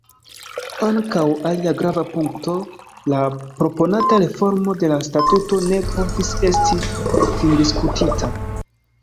Ankaŭ alia grava punkto, la proponata reformo de la statuto, ne povis esti findiskutita.